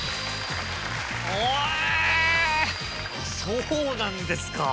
そうなんですか。